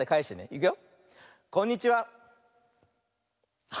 いくよ。